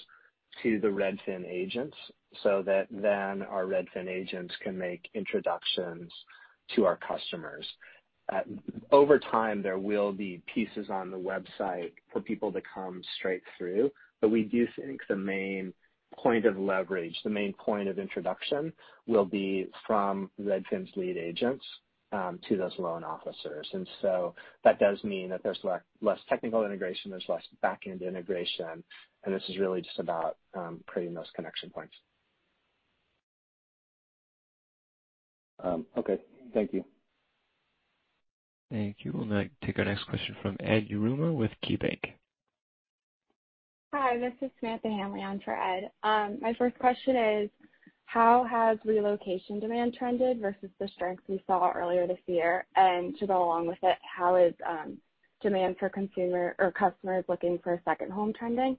to the Redfin agents, so that then our Redfin agents can make introductions to our customers. Over time, there will be pieces on the website for people to come straight through, but we do think the main point of leverage, the main point of introduction, will be from Redfin's lead agents to those loan officers. And so that does mean that there's less, less technical integration, there's less back-end integration, and this is really just about creating those connection points. Okay. Thank you. Thank you. We'll now take our next question from Ed Yruma with KeyBanc. Hi, this is Samantha Hanley on for Ed. My first question is, how has relocation demand trended versus the strengths we saw earlier this year? And to go along with it, how is, demand for consumer or customers looking for a second home trending?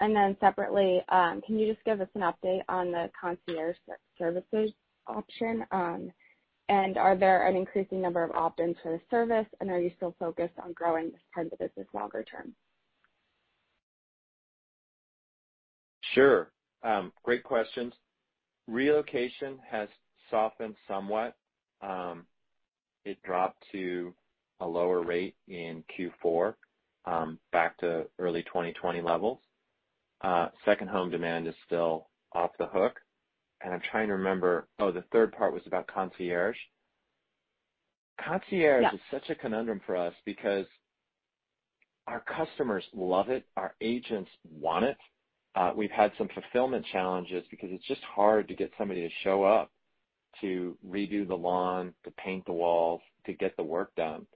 And then separately, can you just give us an update on the concierge services option? And are there an increasing number of opt-ins for the service, and are you still focused on growing this kind of business longer term? Sure. Great questions. Relocation has softened somewhat. It dropped to a lower rate in Q4, back to early 2020 levels. Second home demand is still off the hook, and I'm trying to remember. Oh, the third part was about concierge. Yeah. Concierge is such a conundrum for us because our customers love it, our agents want it. We've had some fulfillment challenges because it's just hard to get somebody to show up, to redo the lawn, to paint the walls, to get the work done.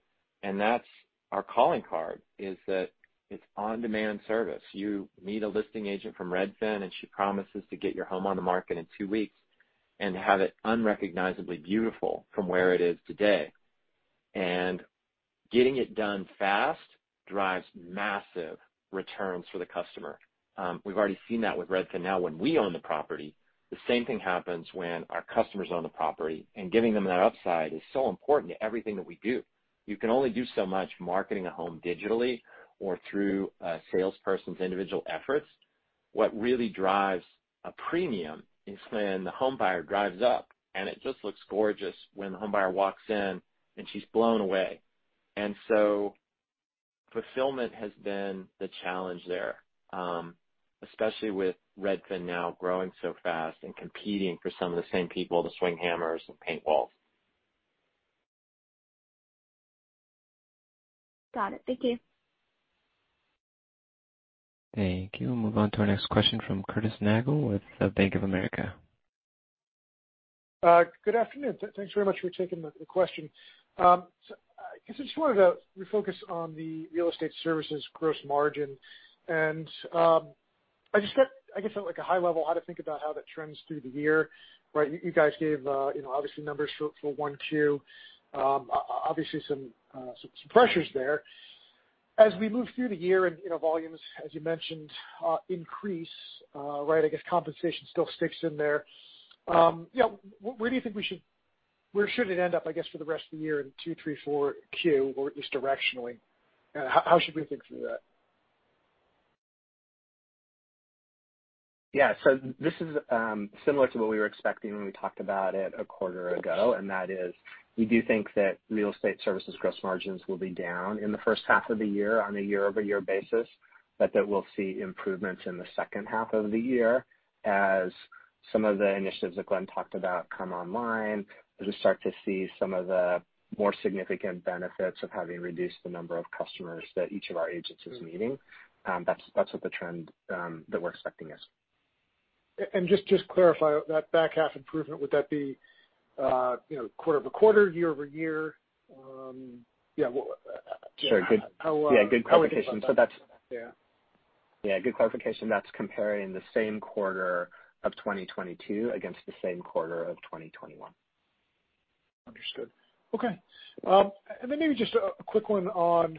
And that's our calling card, is that it's on-demand service. You meet a listing agent from Redfin, and she promises to get your home on the market in two weeks and have it unrecognizably beautiful from where it is today. And getting it done fast drives massive returns for the customer. We've already seen that with Redfin. Now, when we own the property, the same thing happens when our customers own the property, and giving them that upside is so important to everything that we do. You can only do so much marketing a home digitally or through a salesperson's individual efforts. What really drives a premium is when the home buyer drives up, and it just looks gorgeous when the home buyer walks in and she's blown away. And so, fulfillment has been the challenge there, especially with RedfinNow growing so fast and competing for some of the same people to swing hammers and paint walls. Got it. Thank you. Thank you. We'll move on to our next question from Curtis Nagle with the Bank of America. Good afternoon. Thanks very much for taking the question. So I guess I just wanted to refocus on the real estate services gross margin. And I just got, I guess, at, like, a high level, how to think about how that trends through the year, right? You guys gave, you know, obviously numbers for Q1. Obviously some pressures there. As we move through the year and, you know, volumes, as you mentioned, increase, right, I guess compensation still sticks in there. You know, where do you think we should- where should it end up, I guess, for the rest of the year in Q2, Q3, Q4, or at least directionally? And how should we think through that? Yeah. So this is similar to what we were expecting when we talked about it a quarter ago. Gotcha. That is, we do think that real estate services gross margins will be down in the first half of the year, on a year-over-year basis, but that we'll see improvements in the second half of the year as some of the initiatives that Glenn talked about come online. We'll just start to see some of the more significant benefits of having reduced the number of customers that each of our agents is meeting. That's what the trend that we're expecting is. Just to clarify, that back half improvement, would that be, you know, quarter-over-quarter, year-over-year? Yeah, Sure. How, uh- Yeah, good clarification. Yeah. So that's. Yeah, good clarification. That's comparing the same quarter of 2022 against the same quarter of 2021. Understood. Okay. And then maybe just a quick one on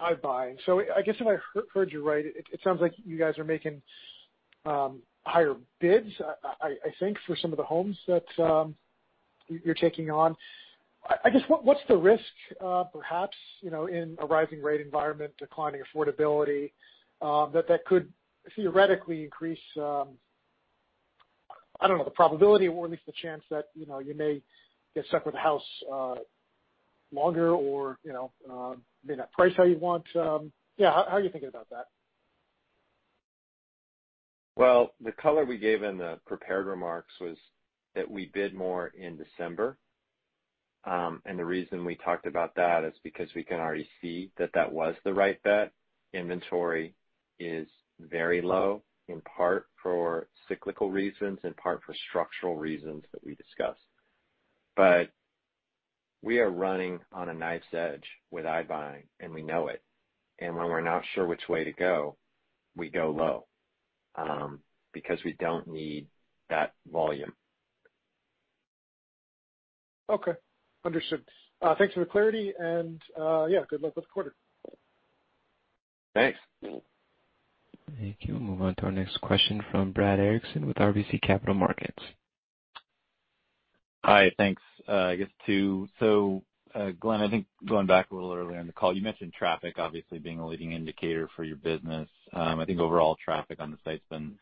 iBuying. So I guess if I heard you right, it sounds like you guys are making higher bids, I think, for some of the homes that you're taking on. I guess, what's the risk, perhaps, you know, in a rising rate environment, declining affordability, that could theoretically increase, I don't know, the probability or at least the chance that, you know, you may get stuck with a house longer or, you know, may not price how you want? Yeah, how are you thinking about that? Well, the color we gave in the prepared remarks was that we bid more in December. The reason we talked about that is because we can already see that that was the right bet. Inventory is very low, in part for cyclical reasons, in part for structural reasons that we discussed. But we are running on a knife's edge with iBuying, and we know it, and when we're not sure which way to go, we go low, because we don't need that volume. Okay, understood. Thanks for the clarity, and yeah, good luck with the quarter. Thanks. Thank you. We'll move on to our next question from Brad Erickson with RBC Capital Markets. Hi, thanks. I guess too, so, Glenn, I think going back a little earlier in the call, you mentioned traffic obviously being a leading indicator for your business. I think overall traffic on the site's been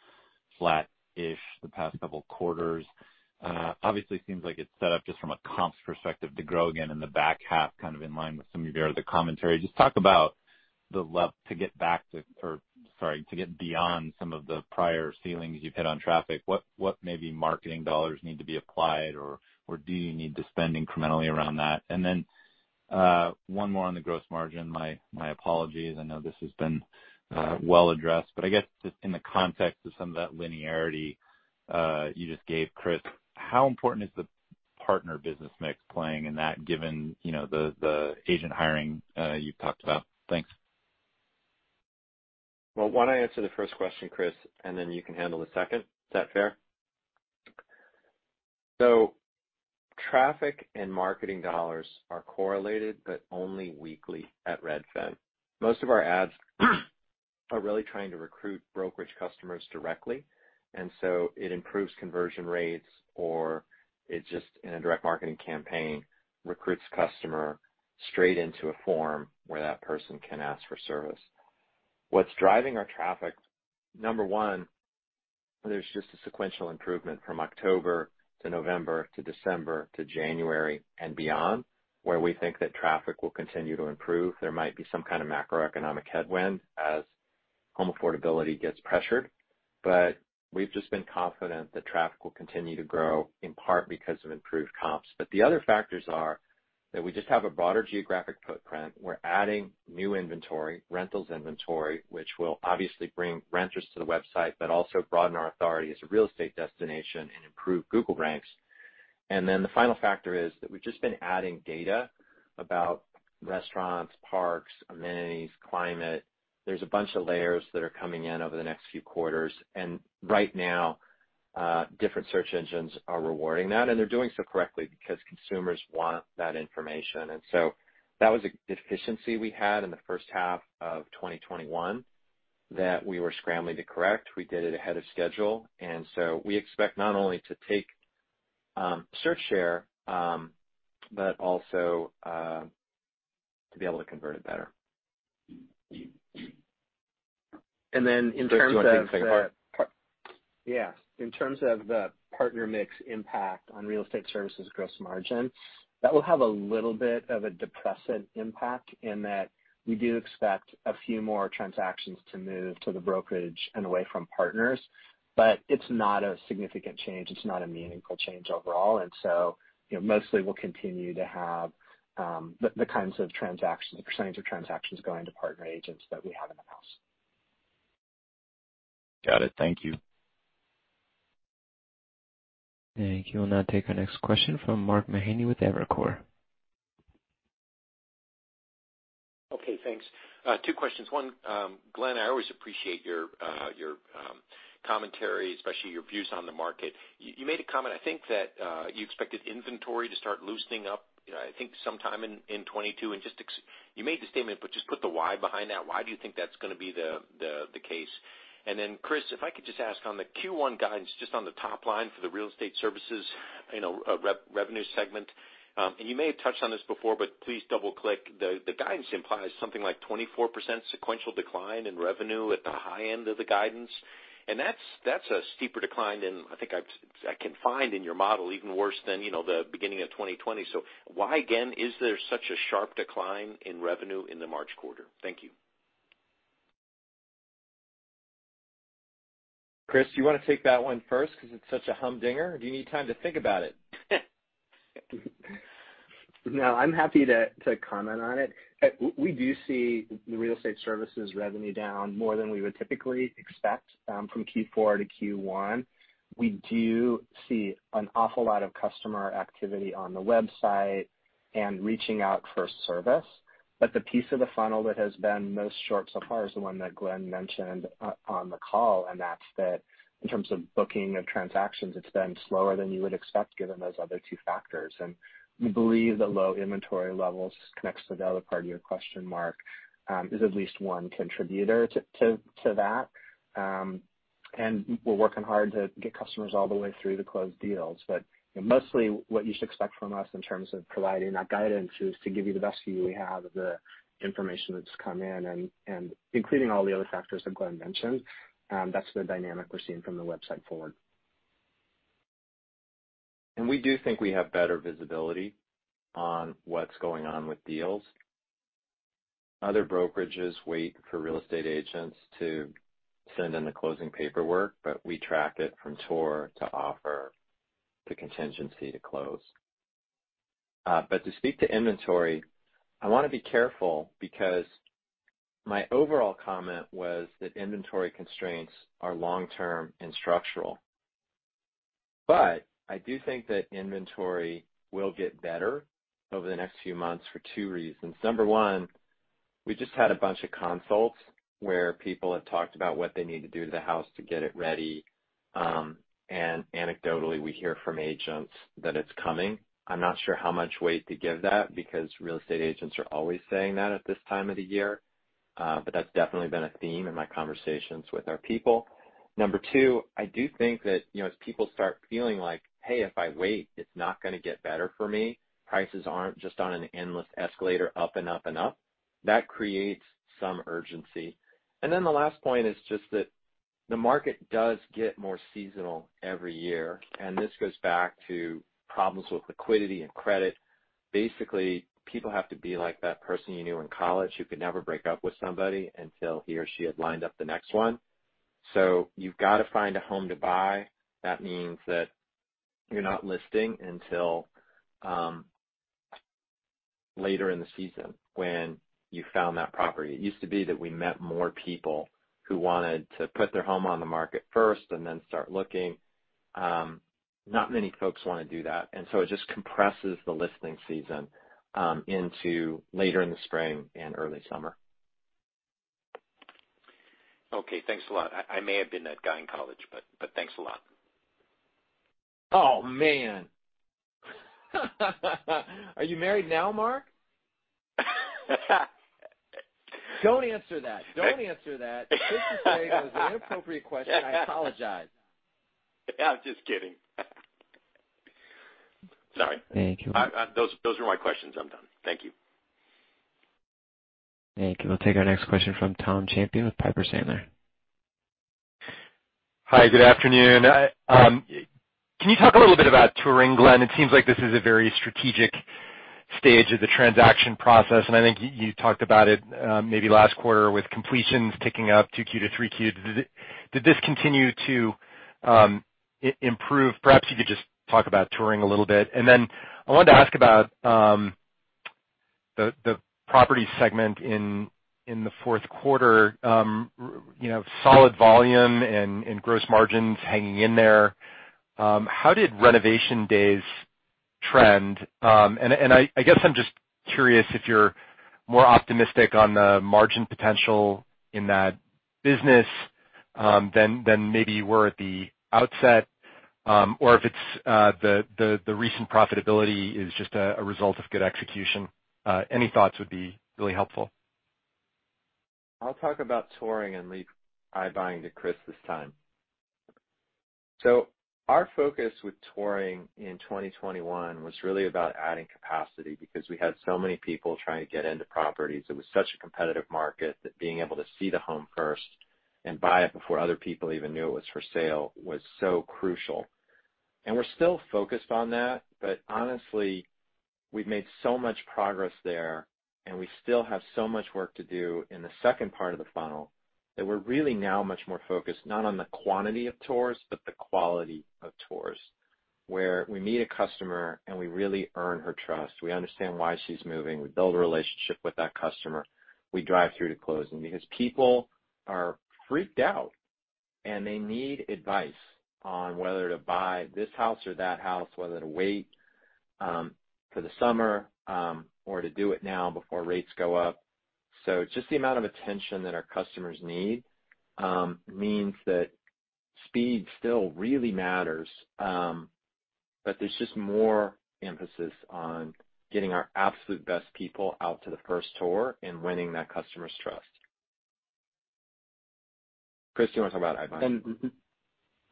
flat-ish the past couple quarters. Obviously, seems like it's set up just from a comps perspective to grow again in the back half, kind of in line with some of your other commentary. Just talk about the lift to get back to, or sorry, to get beyond some of the prior ceilings you've hit on traffic. What, what maybe marketing dollars need to be applied, or, or do you need to spend incrementally around that? And then, one more on the gross margin. My, my apologies, I know this has been, well addressed. I guess just in the context of some of that linearity you just gave, Chris, how important is the partner business mix playing in that, given, you know, the agent hiring you've talked about? Thanks. Well, why don't I answer the first question, Chris, and then you can handle the second. Is that fair? So traffic and marketing dollars are correlated, but only weakly at Redfin. Most of our ads are really trying to recruit brokerage customers directly, and so it improves conversion rates, or it just, in a direct marketing campaign, recruits customer straight into a form where that person can ask for service. What's driving our traffic, number one, there's just a sequential improvement from October to November to December to January and beyond, where we think that traffic will continue to improve. There might be some kind of macroeconomic headwind as home affordability gets pressured, but we've just been confident that traffic will continue to grow, in part because of improved comps. But the other factors are that we just have a broader geographic footprint. We're adding new inventory, rentals inventory, which will obviously bring renters to the website, but also broaden our authority as a real estate destination and improve Google ranks. And then the final factor is that we've just been adding data about restaurants, parks, amenities, climate. There's a bunch of layers that are coming in over the next few quarters, and right now, different search engines are rewarding that, and they're doing so correctly because consumers want that information. And so that was a deficiency we had in the first half of 2021, that we were scrambling to correct. We did it ahead of schedule, and so we expect not only to take, search share, but also, to be able to convert it better. In terms of the- Do you want to take the second part? Yeah. In terms of the partner mix impact on real estate services gross margin, that will have a little bit of a depressant impact in that we do expect a few more transactions to move to the brokerage and away from partners. But it's not a significant change. It's not a meaningful change overall. And so, you know, mostly we'll continue to have the kinds of transactions, the percentage of transactions going to partner agents that we have in-house. Got it. Thank you. Thank you. We'll now take our next question from Mark Mahaney with Evercore. Okay, thanks. Two questions. One, Glenn, I always appreciate your commentary, especially your views on the market. You made a comment, I think, that you expected inventory to start loosening up, you know, I think sometime in 2022. And just, you made the statement, but just put the why behind that. Why do you think that's gonna be the case? And then, Chris, if I could just ask on the Q1 guidance, just on the top line for the real estate services, you know, revenue segment. And you may have touched on this before, but please double-click. The guidance implies something like 24% sequential decline in revenue at the high end of the guidance. And that's a steeper decline than I think I can find in your model, even worse than, you know, the beginning of 2020. So why, again, is there such a sharp decline in revenue in the March quarter? Thank you. Chris, do you want to take that one first because it's such a humdinger, or do you need time to think about it? No, I'm happy to comment on it. We do see the real estate services revenue down more than we would typically expect from Q4 to Q1. We do see an awful lot of customer activity on the website and reaching out for service. But the piece of the funnel that has been most short so far is the one that Glenn mentioned on the call, and that's in terms of booking of transactions, it's been slower than you would expect, given those other two factors. And we believe that low inventory levels connects to the other part of your question, Mark, is at least one contributor to that. And we're working hard to get customers all the way through the closed deals. But mostly, what you should expect from us in terms of providing that guidance is to give you the best view we have of the information that's come in, and including all the other factors that Glenn mentioned, that's the dynamic we're seeing from the website forward. We do think we have better visibility on what's going on with deals. Other brokerages wait for real estate agents to send in the closing paperwork, but we track it from tour to offer to contingency to close. But to speak to inventory, I want to be careful because my overall comment was that inventory constraints are long-term and structural. But I do think that inventory will get better over the next few months for 2 reasons. Number 1, we just had a bunch of consults where people have talked about what they need to do to the house to get it ready, and anecdotally, we hear from agents that it's coming. I'm not sure how much weight to give that, because real estate agents are always saying that at this time of the year, but that's definitely been a theme in my conversations with our people. Number two, I do think that, you know, as people start feeling like, "Hey, if I wait, it's not going to get better for me," prices aren't just on an endless escalator up and up and up, that creates some urgency. And then the last point is just that the market does get more seasonal every year, and this goes back to problems with liquidity and credit. Basically, people have to be like that person you knew in college who could never break up with somebody until he or she had lined up the next one. So you've got to find a home to buy. That means that you're not listing until later in the season when you found that property. It used to be that we met more people who wanted to put their home on the market first and then start looking. Not many folks want to do that, and so it just compresses the listing season into later in the spring and early summer. Okay, thanks a lot. I may have been that guy in college, but thanks a lot. Oh, man! Are you married now, Mark? Don't answer that. Don't answer that. Just to say it was an inappropriate question. I apologize. I'm just kidding. Sorry. Thank you. Those are my questions. I'm done. Thank you. Thank you. We'll take our next question from Tom Champion with Piper Sandler. Hi, good afternoon. Can you talk a little bit about touring, Glenn? It seems like this is a very strategic stage of the transaction process, and I think you talked about it maybe last quarter with completions ticking up 2Q to 3Q. Did this continue to improve? Perhaps you could just talk about touring a little bit. Then I wanted to ask about the property segment in the fourth quarter, you know, solid volume and gross margins hanging in there. How did renovation days trend? And I guess I'm just curious if you're more optimistic on the margin potential in that business than maybe you were at the outset, or if it's the recent profitability is just a result of good execution. Any thoughts would be really helpful. I'll talk about touring and leave iBuying to Chris this time. So our focus with touring in 2021 was really about adding capacity, because we had so many people trying to get into properties. It was such a competitive market that being able to see the home first and buy it before other people even knew it was for sale, was so crucial. And we're still focused on that, but honestly, we've made so much progress there, and we still have so much work to do in the second part of the funnel, that we're really now much more focused, not on the quantity of tours, but the quality of tours, where we meet a customer, and we really earn her trust. We understand why she's moving. We build a relationship with that customer. We drive through to closing. Because people are freaked out, and they need advice on whether to buy this house or that house, whether to wait for the summer or to do it now before rates go up. So just the amount of attention that our customers need means that speed still really matters, but there's just more emphasis on getting our absolute best people out to the first tour and winning that customer's trust. Chris, do you want to talk about iBuying? Mm-hmm.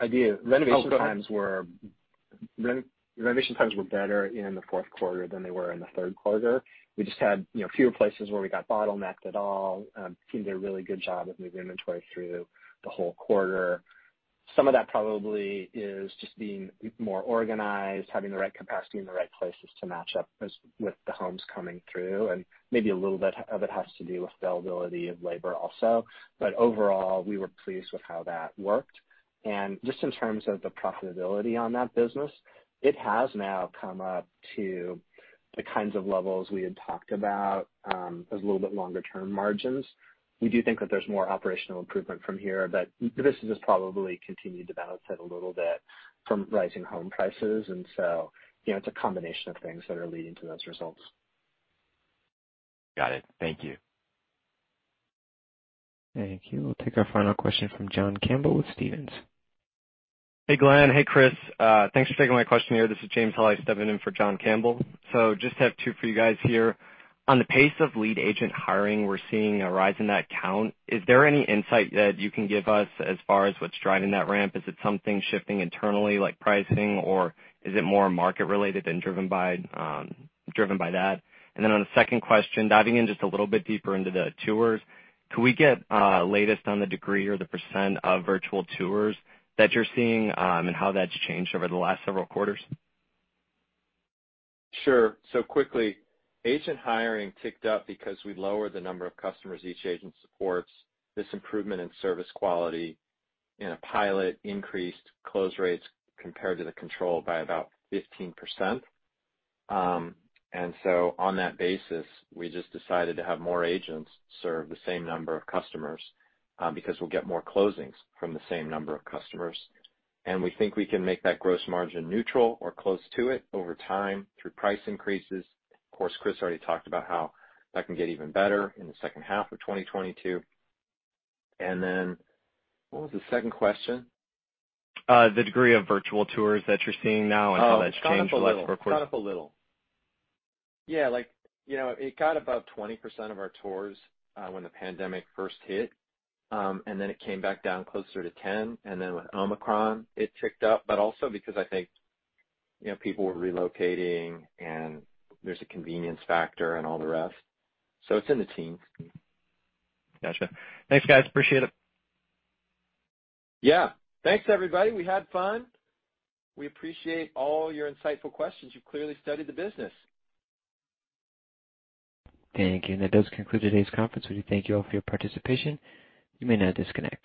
I do. Oh, go ahead. Renovation times were better in the fourth quarter than they were in the third quarter. We just had, you know, fewer places where we got bottlenecked at all, team did a really good job of moving inventory through the whole quarter. Some of that probably is just being more organized, having the right capacity in the right places to match up as with the homes coming through, and maybe a little bit of it has to do with the availability of labor also. But overall, we were pleased with how that worked. And just in terms of the profitability on that business, it has now come up to the kinds of levels we had talked about, as a little bit longer term margins. We do think that there's more operational improvement from here, but the business has probably continued to benefit a little bit from rising home prices. And so, you know, it's a combination of things that are leading to those results. Got it. Thank you. Thank you. We'll take our final question from John Campbell with Stephens. Hey, Glenn. Hey, Chris. Thanks for taking my question here. This is James Hawley stepping in for John Campbell. So just have two for you guys here. On the pace of lead agent hiring, we're seeing a rise in that count. Is there any insight that you can give us as far as what's driving that ramp? Is it something shifting internally, like pricing, or is it more market related and driven by, driven by that? And then on the second question, diving in just a little bit deeper into the tours, can we get latest on the degree or the percent of virtual tours that you're seeing, and how that's changed over the last several quarters? Sure. So quickly, agent hiring ticked up because we lowered the number of customers each agent supports. This improvement in service quality in a pilot increased close rates compared to the control by about 15%. And so on that basis, we just decided to have more agents serve the same number of customers, because we'll get more closings from the same number of customers. And we think we can make that gross margin neutral or close to it over time through price increases. Of course, Chris already talked about how that can get even better in the second half of 2022. And then, what was the second question? The degree of virtual tours that you're seeing now and how that's changed the last quarter? It's gone up a little. Yeah, like, you know, it got about 20% of our tours, when the pandemic first hit, and then it came back down closer to 10, and then with Omicron, it ticked up. But also because I think, you know, people were relocating, and there's a convenience factor and all the rest, so it's in the teens. Gotcha. Thanks, guys. Appreciate it. Yeah. Thanks, everybody. We had fun. We appreciate all your insightful questions. You've clearly studied the business. Thank you. That does conclude today's conference. We thank you all for your participation. You may now disconnect.